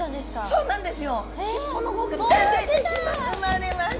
そうなんです。